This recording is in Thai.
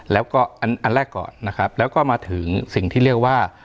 แล้วก็อันแรกก่อนนะครับแล้วก็มาถึงสิ่งที่เรียกว่า